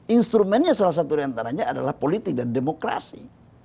instrumennya salah satu dari antaranya adalah politik dan demokrasi